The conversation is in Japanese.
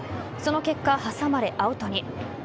その結果、挟まれ、アウトに。